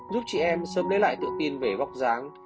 giúp chị em sớm lấy lại tự tin về vóc dáng